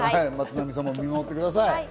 松並さんも見守ってください。